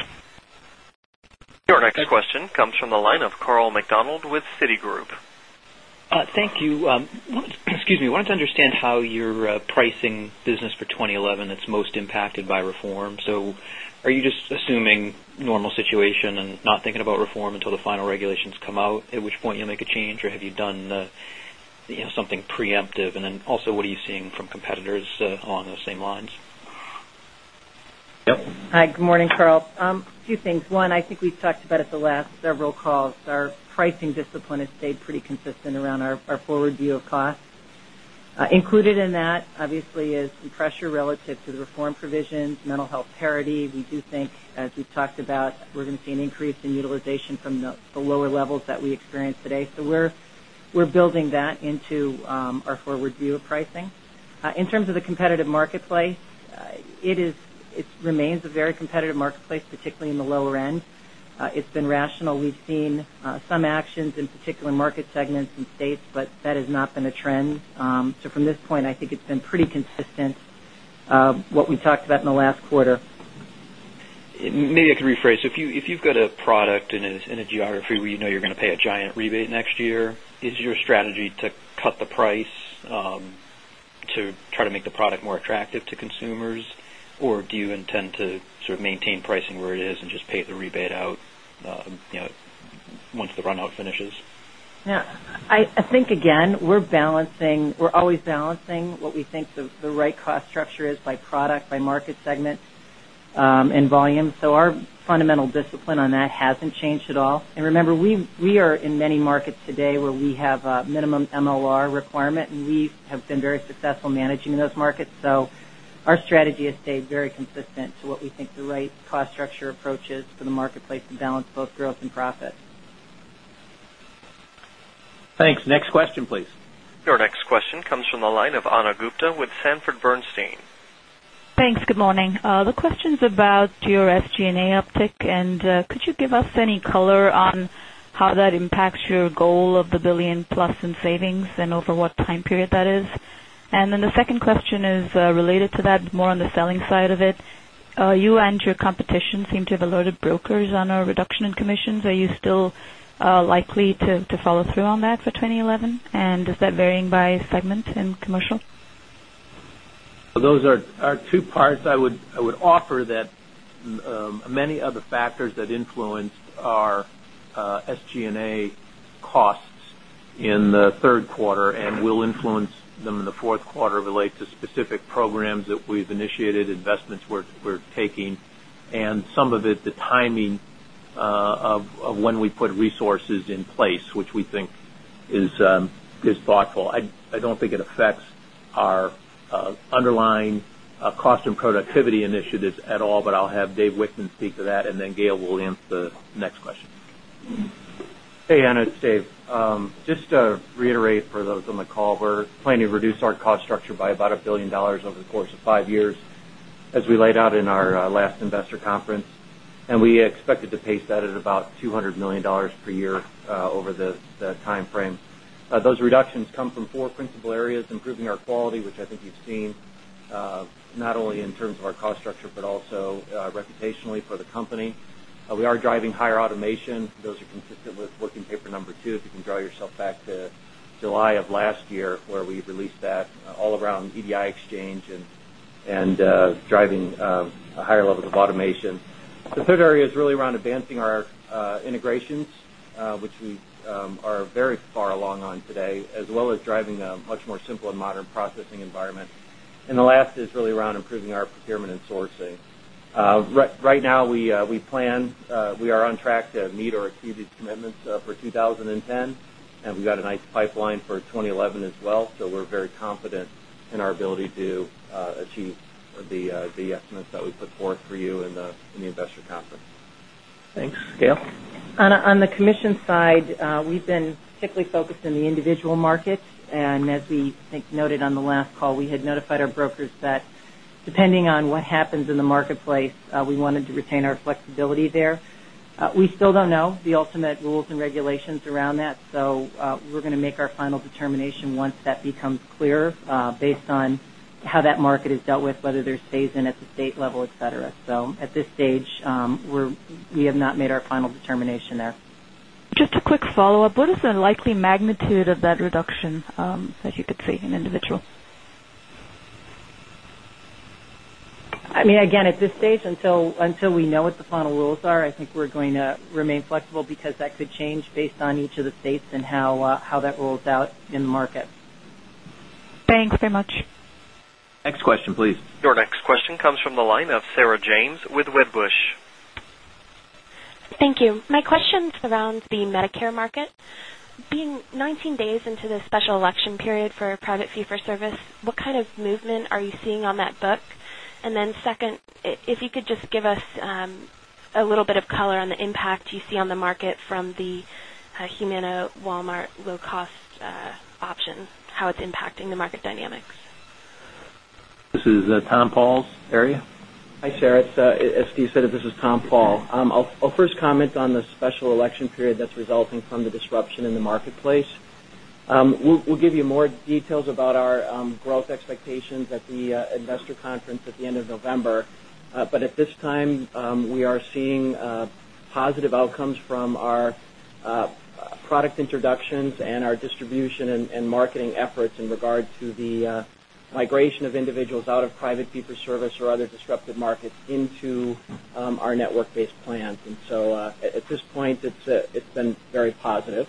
Speaker 1: Your next question comes from the line of Carl MacDonald with Citigroup.
Speaker 11: Thank you. Excuse me, I wanted to understand how your pricing business for 2011 that's most impacted by reform. So are you just assuming normal situation and not thinking about reform until the final regulations come out, at which point you'll make a change? Or have you done something preemptive? And then also what you're seeing from competitors along the same lines?
Speaker 7: Yes. Hi. Good morning, Carl. Two things. One, I think we've talked about it the last several calls. Our pricing discipline has stayed pretty consistent around our forward view of costs. Included in that obviously is the pressure relative reform provisions, mental health parity. We do think as we've talked about we're going to see an increase in utilization from the lower levels that we experienced today. So we're building that into our forward view of pricing. In terms of the competitive marketplace, it remains a very competitive marketplace particularly in the lower end. It's been rational. We've seen some actions in particular market segments and states, but that has not been a trend. So from this point, I think it's been pretty consistent what we talked about in the last quarter.
Speaker 11: Maybe I could rephrase. If you've got a product in a geography where you know you're going to pay a giant rebate next year, is your strategy to cut the price to try to make the product more attractive to consumers? Or do you intend to sort of maintain pricing where it is and just pay the rebate out once the run out finishes?
Speaker 7: Yes. I think again we're balancing we're always balancing what we think the right cost structure is by product, by market segment and volume. So our fundamental discipline on that hasn't changed at all. And remember, we are in many markets today where we have a minimum MLR requirement and we have been very successful managing those markets. So our strategy has stayed very consistent to what we think the right cost structure approach is for the marketplace to balance both growth and profit.
Speaker 2: Thanks. Next question please.
Speaker 1: Your next question comes from the line of Ana Gupte with Sanford Bernstein.
Speaker 5: Thanks. Good morning. The question is about your SG and A uptick and could you give us any color on how that impacts your goal of the $1,000,000,000 plus in savings and over what time period that is? And then the second question is related to that more on the selling side of it. You and your competition seem to have alerted brokers on a reduction in commissions. Are you still likely to follow through on that for 2011? And is that varying by segment in commercial?
Speaker 2: Those are two parts. I would offer that many other factors that influenced our SG and A costs in the Q3 and will influence them in the Q4 relate to specific programs that we've investments we're taking and some of it the timing of when we put resources in place, which we think is thoughtful. I don't think it affects our underlying cost and productivity initiatives at all, but I'll have Dave Witton speak to that and then Gail will answer the next question.
Speaker 14: Hey, Anna, it's Dave. Just to reiterate for those on the call, we're planning to reduce our cost structure by about $1,000,000,000 over the course of 5 years as we laid out in our last investor conference. And we expect to pace that at about $200,000,000 per year over the timeframe. Those reductions come from 4 principal areas improving our quality, which I think you've seen not only in terms of our cost structure, but also reputationally for the company. We are driving higher automation. Are consistent with working paper number 2 if you can draw yourself back to July of last year where we released that all around EDI exchange and driving higher levels of automation. The 3rd area is really around advancing our integrations, which we are very far along on today as well as driving a much more simple and modern processing environment. And the last is really around improving our procurement and sourcing. Right now, we plan we are on track to meet or achieve these commitments for 20 10. And we've got a nice pipeline for 2011 as well. So we're very confident in our ability to achieve the estimates that we put forth for you in the investor conference.
Speaker 7: Thanks. Gail? On the commission side, we've been particularly focused in the individual market. And as we think noted on the last call, we had notified our brokers that depending on what happens in the marketplace, we wanted retain our flexibility there. We still don't know the ultimate rules and regulations around that. So we're going to make our final determination once that becomes clear based on how that market is dealt with whether there stays in at the state level etcetera. So at this stage, we have not made our final determination there.
Speaker 5: Just a quick follow-up. What is the likely magnitude of that reduction as you could see in individual?
Speaker 7: I mean, again, at this stage until we know what the final rules are, I think we're going to remain flexible because that could change based on each of the states and how that rolls out in the market.
Speaker 5: Thanks very much.
Speaker 1: Next question please. Your next question comes from the line Sarah James with Wedbush.
Speaker 15: Thank you. My question is around the Medicare market. Being 19 days into the special election period for private fee for service, what kind of movement are you seeing on that book? And then second, if you could just give us a little bit of color on the impact you see on the market from the Humana Walmart low cost option, how it's impacting the market dynamics?
Speaker 2: This is Tom Pauls area.
Speaker 16: Hi, Sarah. As Steve said, this is Tom Paul. I'll first comment on the special election period that's resulting from the disruption in the marketplace. We'll give you more details about our growth expectations at the Investor Conference at the end of November. But at this time, we are seeing positive outcomes from our product introductions and our distribution and marketing efforts in regard to the migration of individuals out of private fee for service or other disruptive markets into our network based plans. And so at this point, it's been very positive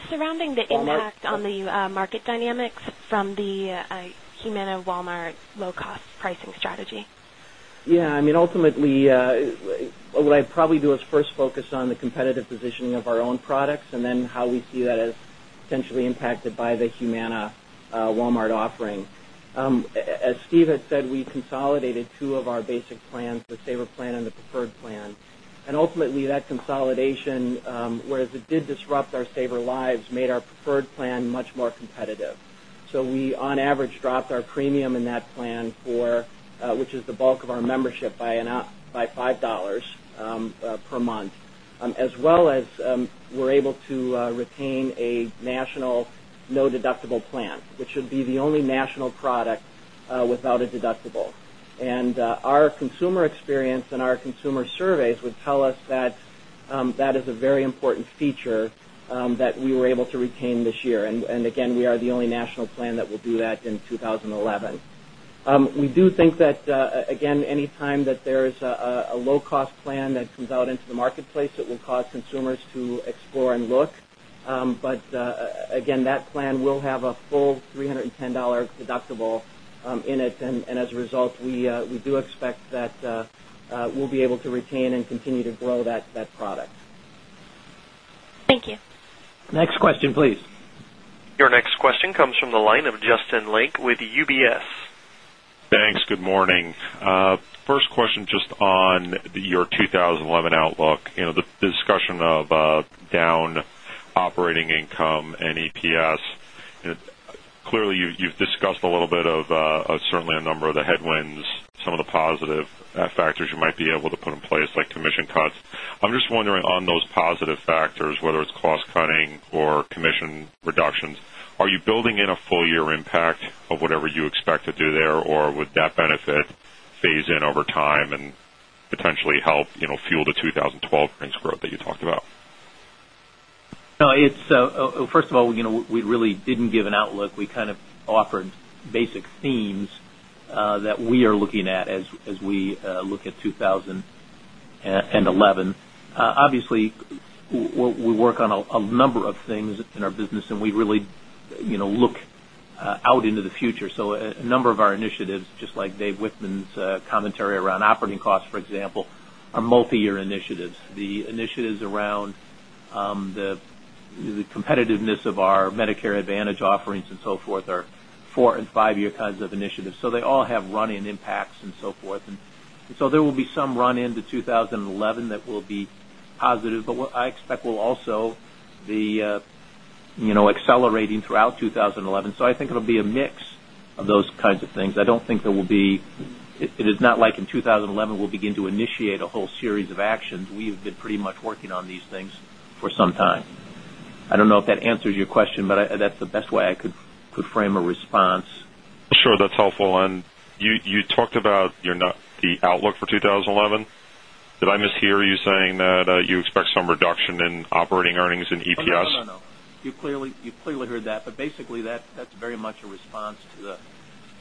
Speaker 15: surrounding the impact on the market dynamics from the Humana Walmart low cost pricing strategy.
Speaker 16: Yes. I mean, ultimately, what I'd probably do is first focus on the competitive positioning of our own products and then how we see that as potentially impacted by the Humana Walmart offering. As Steve had said, we consolidated 2 of our basic plans, the Saver plan and the Preferred plan. And ultimately, that consolidation, whereas it did disrupt our Saver Lives, made our preferred plan much more competitive. So we, on average, dropped our premium in that plan for which is the bulk of our membership by $5 per month, as well as we're able to retain a national no deductible plan, which should be the only national product without a deductible. And our consumer experience and our consumer surveys would tell us that, that is a very important feature, that we were able to retain this year. And again, we are the only national plan that will do that in 2011. We do think that again any time that there is a low cost plan that comes out into the marketplace, it will cause consumers to explore and look. But again, that plan will have a full 3 $10 deductible in it. And as a result, we do expect that we'll be able to retain and continue to grow that product.
Speaker 15: Thank you.
Speaker 11: Next question please.
Speaker 1: Your next question comes from the line of Justin Lake with UBS.
Speaker 17: Thanks. Good morning. First question just on your 2011 outlook, the discussion of down operating income and EPS, clearly you've discussed a little bit of certainly a number of the headwinds, some of the positive factors you might be able to put in place like commission cuts. I'm just wondering on those positive factors, whether it's cost cutting or commission reductions, are you building in a full year impact of whatever you expect to do there or would that benefit phase in over time and potentially help fuel the 2012 earnings growth that you talked about?
Speaker 2: No, it's first of all, we really didn't give an outlook. We kind of offered basic themes that we are looking at as we look at 2011. Obviously, we work on a number of things in our business and we really look out into the future. So a number of our initiatives just like Dave Whitman's commentary around operating costs for example are multi year initiatives. The initiatives around the competitiveness of our Medicare Advantage offerings and so forth are 4 5 year kinds of initiatives. So they all have run-in impacts and so forth. And so there will be some run-in to 2011 that will be positive. But what I expect will also be accelerating throughout 2011. So I think it will be a mix of those kinds of things. I don't think there will be it is not like in 2011 we'll begin to initiate a whole series of actions. We've been pretty much working on these things for some time. I don't know if that answers your question, but that's the best way I could frame a response.
Speaker 17: Sure. That's helpful. And you talked about the outlook for 2011. Did I mishear you saying that you expect some reduction in operating earnings and EPS?
Speaker 2: No, no, no. You clearly heard that, but basically that's very much a response to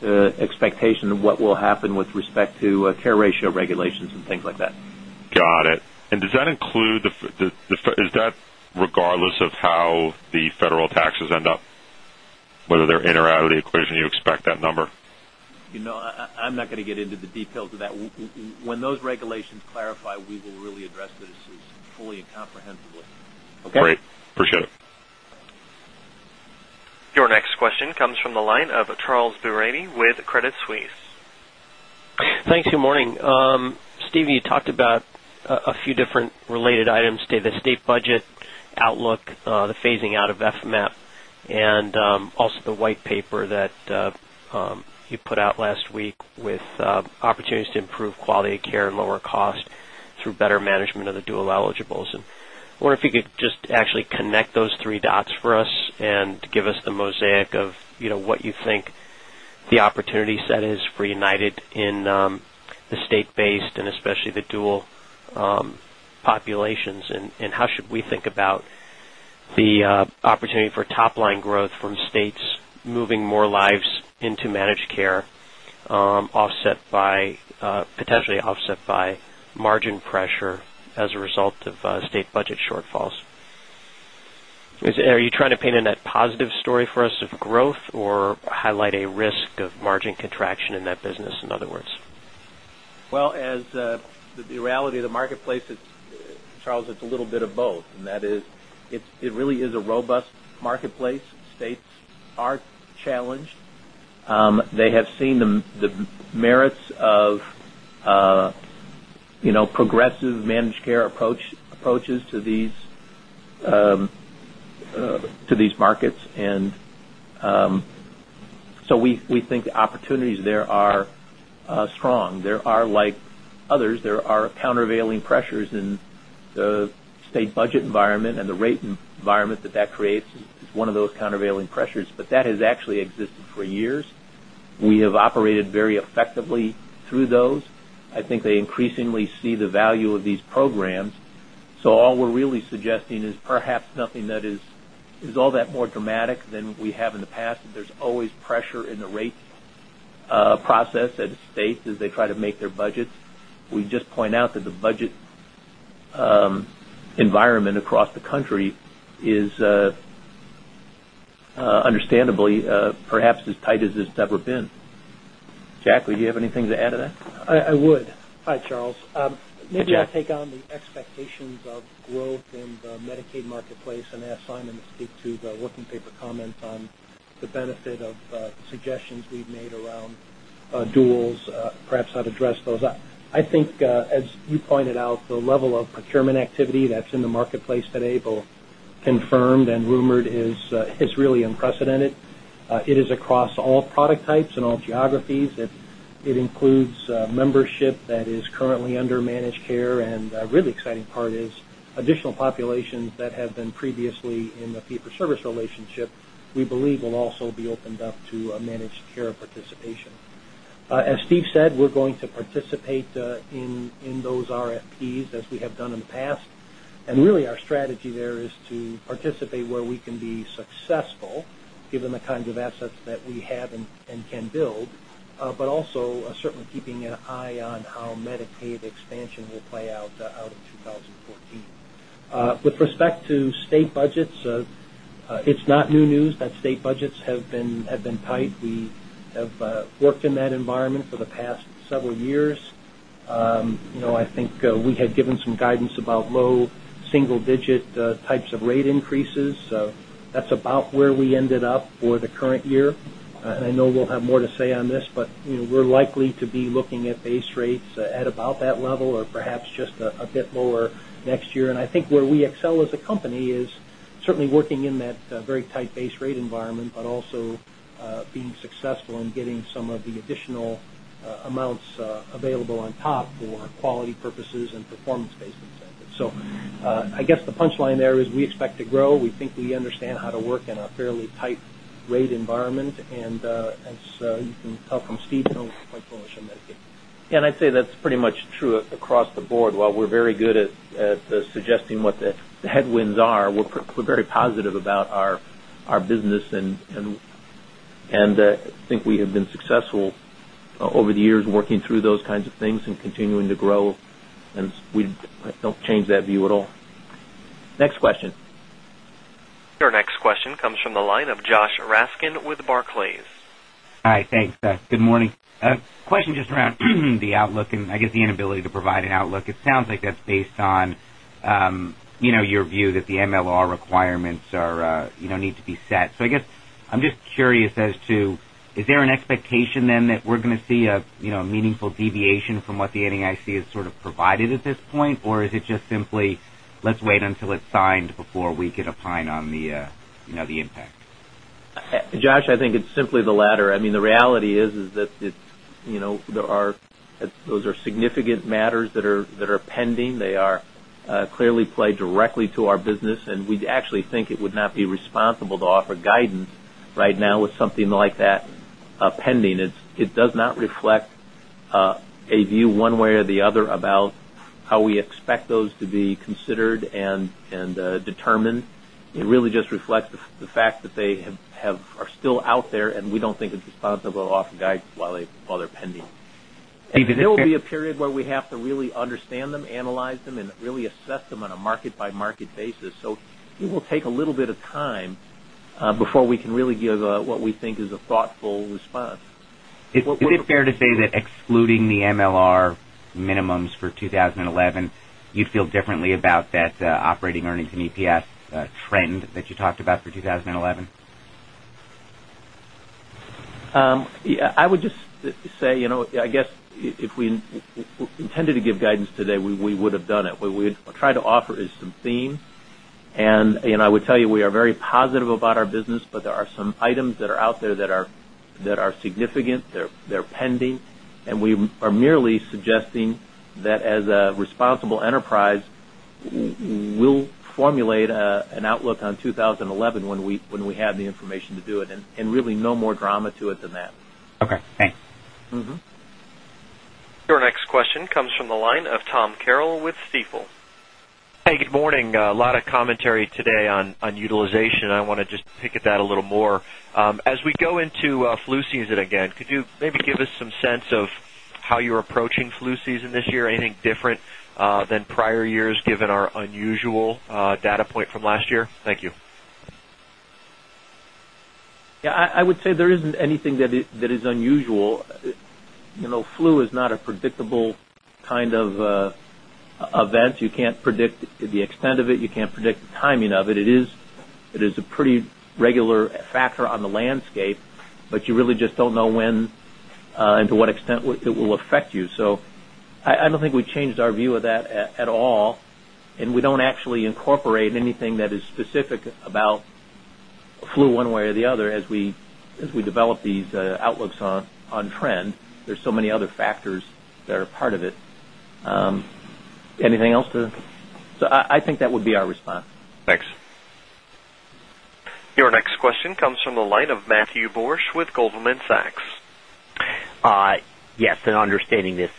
Speaker 2: the expectation of what will happen with respect to care ratio regulations and things like that.
Speaker 17: Got it. And does that include is that regardless of how the federal taxes end up, whether they're in or out of the equation, you expect that number?
Speaker 2: I'm not going to get into the details of that. When those regulations clarify, we will really address this fully and comprehensively. Okay. Great. Appreciate it. And comprehensively.
Speaker 17: Okay. Great. Appreciate it.
Speaker 1: Your next question comes from the line of Charles Beraney with Credit Suisse.
Speaker 18: Thanks. Good morning. Steve, you talked about a few different related items, the state budget outlook, the phasing out of FMAP and also the white paper that you put out last week with opportunities to improve quality of care and lower cost through better management of the dual eligibles. And I wonder if you could just actually connect those three dots for us and give us the mosaic of what you think the opportunity set is for United in the state based and especially the dual populations? And how should we think about the opportunity for top line growth from states moving more lives into managed care, offset by potentially offset by margin pressure as a result of state budget shortfalls? Are you trying to paint a net positive story for us of growth or highlight a risk of margin contraction in that business in other words?
Speaker 2: Well, as the reality of the marketplace, Charles, it's a little bit of both. And that is it really is a robust marketplace. States are challenged. They have seen the merits of progressive managed care approaches to these markets. And so we think opportunities there are strong. There are like others there are countervailing pressures in the state budget environment and the rate environment that that creates is one of those countervailing pressures. But that has actually existed for years. We have operated effectively through those. I think they increasingly see the value of these programs. So all we're really suggesting is perhaps nothing that is all that more dramatic than we have in the past. There's always pressure in the rate process at the states as they try to make their budgets. We just point out that the budget environment across the country is understandably perhaps as tight as it's ever been. Jack, would you have anything to add to that?
Speaker 19: I would. Hi, Charles. Maybe I'll take on the expectations of growth in the Medicaid marketplace and ask Simon to speak to the working paper comments on the benefit of suggestions we've made around duals. Perhaps I'd address those. I think as you pointed out, the level of procurement activity that's in the marketplace that Abel confirmed and rumored is really unprecedented. It is across all product types and all geographies. It includes membership that is currently under managed care. And really exciting part is additional populations that have been previously in the fee for service relationship, we believe will also be opened up to managed care participation. As Steve said, we're going to participate in those RFPs as we have done in the past. And really our strategy there is to participate where we can be successful given the kinds of assets that we have and can build, but also certainly keeping an eye on how Medicaid expansion will play out in 2014. With respect to state budgets, it's not new news that state budgets have been tight. We have worked in that environment for the past several years. I think we had given some guidance about low single digit types of rate increases. That's about where we ended up for the current year. And I know we'll have more to say on this, but we're likely to be looking at base rates at about that level or perhaps just a bit lower next year. And I think where we excel as a company is certainly working in that very tight base rate environment, but also being successful in getting some of the the additional amounts available on top for quality purposes and performance based incentives. So I guess the punch line there is we expect to grow. We think we understand how to work in a fairly tight rate environment. And as you can tell from Steve, you know, we'll quite bullish on Medicaid.
Speaker 2: Yes. And I'd say that's pretty much true across the board. While we're very good at suggesting what the headwinds are, we're very positive about our business and I think we have been successful over the years working through those kinds of things and continuing to grow and we don't change that view at all. Next question?
Speaker 1: Your next question comes from the line of Josh Raskin with Barclays.
Speaker 20: Hi, thanks. Good morning. A question just around the outlook and I guess the inability to provide an outlook. It sounds like that's based on your view that the MLR requirements are need to be set. So I guess I'm just curious as to is there an expectation then that we're going to see a meaningful deviation from what the NAIC has sort of provided at this point? Or is it just simply let's wait until it's signed before we could opine on the impact?
Speaker 2: Josh, I think it's simply the latter. I mean the reality is that there are those are significant matters that are pending. They are clearly play directly to our business and we'd actually think it would not be responsible to offer guidance right now with something like that pending. It does not reflect a view one way or the other about how we expect those to be considered and determined. It really just reflects the fact that they have are still out there and we don't think it's responsible to offer guidance while they're pending. David, there will
Speaker 19: be a period
Speaker 2: where we have to really understand them, analyze them and really assess them on a market by market basis. So it will take a little bit of time before we can really give what we think is a thoughtful response.
Speaker 20: Is it fair to say that excluding the MLR minimums for 20 11, you feel differently about that operating earnings and EPS trend that you talked about for 2011?
Speaker 2: I would just say, I guess, if we intended to give guidance today, we would have done it. What we would try to offer is some theme. And I would tell you we are very positive about our business, but there are some items that are out there that are significant. They're pending. And we are merely suggesting that as a responsible enterprise, we'll formulate outlook on 2011 when we have the information to do it and really no more drama to it than that.
Speaker 8: Okay.
Speaker 20: Thanks.
Speaker 1: Your next question comes from the line of Tom Carroll with Stifel. Hey, good morning. A lot of commentary today on utilization. I want to just pick at that a little more. As we go into flu season again, could you maybe give us some sense of how you're approaching flu season this year, anything different than prior years given our unusual data point from last year? Thank you.
Speaker 2: Yes. I would say there isn't anything that is unusual. Flu is not a predictable kind of event. You can't predict the extent of it. You can't predict the timing of it. It is a pretty regular factor on the landscape, but you really just don't know when and to what extent it will affect you. So I don't think we changed our view of that at all. And we don't actually incorporate anything that is specific about flu one way or the other as we develop these outlooks on trend. There's so many other factors that are part of it. Anything else to so I think that would be our response.
Speaker 1: Thanks. Your next question comes from the line of Matthew Borsch with Goldman Sachs.
Speaker 21: Yes, and understanding this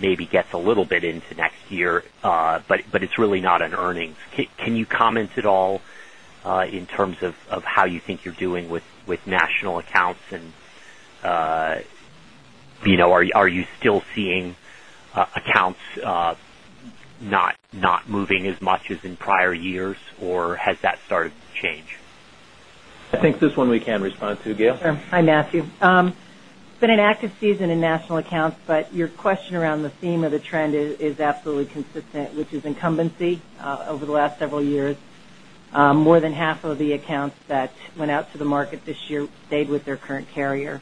Speaker 21: maybe gets a little bit into next year, but it's really not an earnings. Can you comment at all in terms of how you think you're doing with national accounts? And are you still seeing accounts not moving as much as in prior years or has that started to change?
Speaker 2: I think this one we can respond to Gail.
Speaker 7: Hi, Matthew. It's been an active season in national accounts, but your question around the theme of the trend is absolutely consistent, which is incumbency over the last several years. More than half of the accounts that went out to the market this year stayed with their current carrier.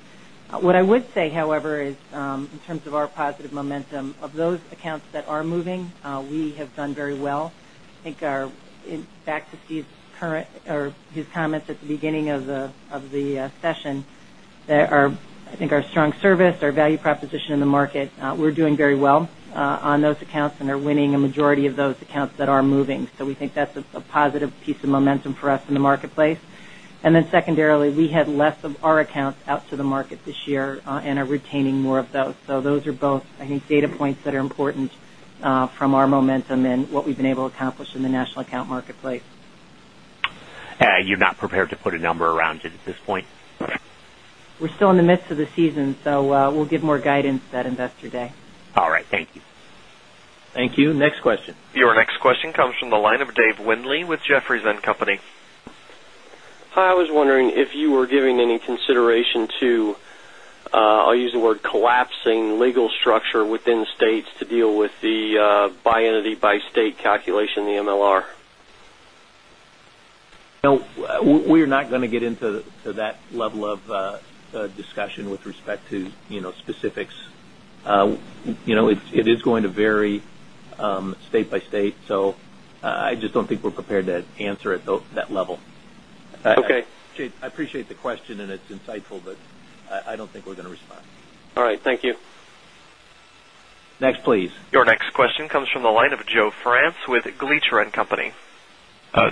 Speaker 7: What I would say, however, is in terms of our positive momentum of those accounts that are moving we have done very well. I think our back to Steve's current or his comments at the beginning of the session, there are I think our strong service, our value proposition in the market, we're doing very well on those accounts and are winning a majority of those accounts that are moving. So we think that's a positive piece of momentum for us in the marketplace. And then secondarily, we had less of our accounts out to the market this year and are retaining more of those. So those are both I think data points that are important from our momentum and what we've been able to accomplish in the national account marketplace.
Speaker 21: You're not prepared to put a number around it at this point?
Speaker 7: We're still in the midst of the season. So we'll give more guidance at Investor Day.
Speaker 6: All right.
Speaker 8: Thank you.
Speaker 2: Thank you. Next question.
Speaker 1: Your next question comes from the line of Dave Windley with Jefferies and Company.
Speaker 18: Hi. I was wondering if you were giving any consideration to, I'll use the word collapsing legal structure within states to deal with the by entity by state calculation in the MLR?
Speaker 2: No, we are not going to get into that level of discussion with respect to specifics. It is going to vary state by state. So I just don't think we're prepared to answer at that level. Okay. I appreciate the question and it's insightful, but I don't think we're going to respond.
Speaker 18: All right. Thank you.
Speaker 2: Next please.
Speaker 1: Your next question comes from the line of Joe France with Gleacher and Company.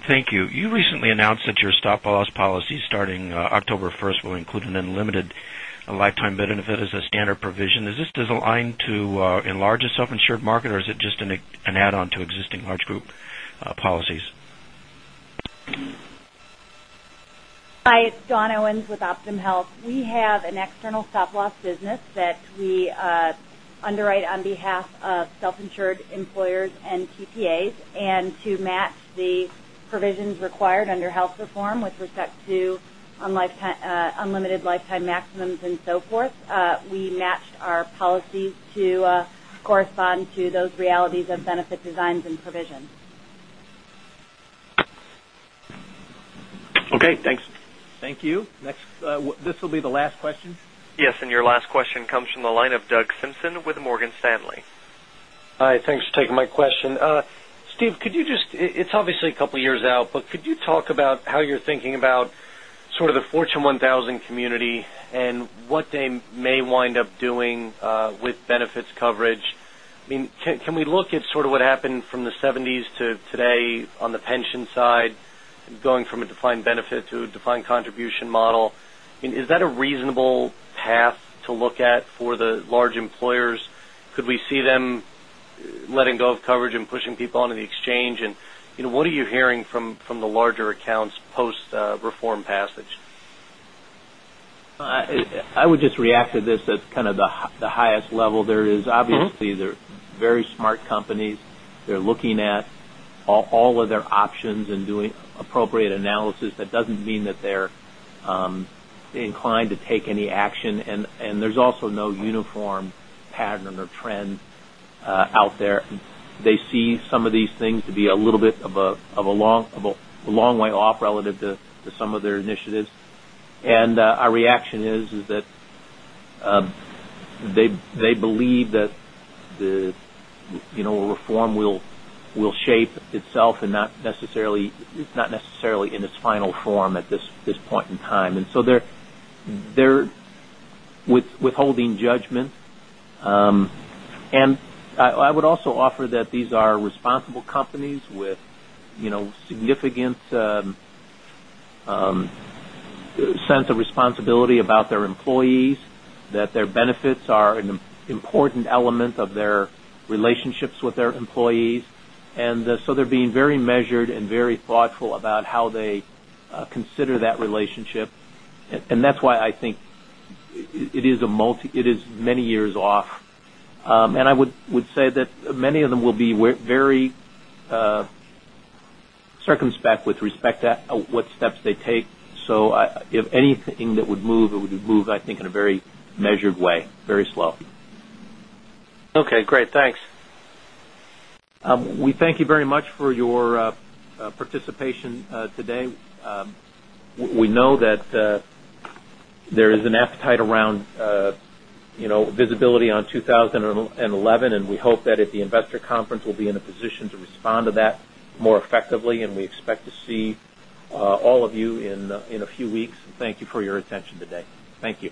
Speaker 22: Thank you. You recently announced that your stop loss policy starting October 1 will include an unlimited lifetime benefit as a standard provision. Is this aligned to enlarge a self insured market? Or is it just an add on to existing large group policies?
Speaker 23: It's Dawn Owens with OptumHealth. We have an external stop loss business that we underwrite on behalf of self insured employers and TPAs. And to match the provisions required under health reform with respect to unlimited lifetime maximums and so forth, we matched our policies to correspond to those realities of benefit designs
Speaker 1: and provisions. Okay, thanks.
Speaker 2: Thank you. Next, this will be the last question.
Speaker 1: Yes. And your last question comes from the line of Doug Simpson with Morgan Stanley. Hi, thanks for taking my question. Steve, could
Speaker 11: you just it's obviously a couple
Speaker 24: of years out, but could you talk about how you're thinking about sort of the Fortune 1,000 community and what they may wind up doing with benefits coverage. I mean, can we look at sort of what happened from the 70s to today on the pension side going from a defined benefit to a defined contribution model. Is that a reasonable path to look at for the large employers? Could we see them letting go of coverage and pushing people on in the exchange? And what are you hearing from the larger accounts post reform passage?
Speaker 2: I would just react to this at kind of the highest level there is. Obviously, they're very smart companies. They're looking at all of their options and doing appropriate analysis. That doesn't mean that they're inclined to take any action. And there's also no uniform pattern or trend out there. They see some of these things to be a little bit of a long way off relative to some of their initiatives. And our reaction is that they believe that the reform will shape itself and not necessarily in its final form at this point in time. And so they're withholding judgment. And I would also offer that these are responsible companies with significant sense of responsibility about their sense of responsibility about their employees that their benefits are an important element of their relationships with their employees. And so they're being very measured and very And I would say that many of them will be very, And I would say that many of them will be very circumspect with respect to what steps they take. So if anything that would move, it would move I think in a very measured way, very slow.
Speaker 1: Okay, great. Thanks.
Speaker 2: We thank you very much for your participation today. We know that there is an appetite around visibility on 20 11 and we hope that at the Investor Conference we'll be in a position to respond to that more effectively and we expect to see all of you in a few weeks. Thank you for your attention today. Thank you.